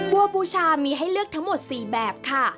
บัวบูชามีให้เลือกทั้งหมด๔แบบค่ะ